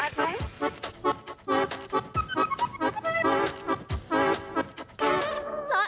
คุณของโบราถไม่มีหรอกค่ะ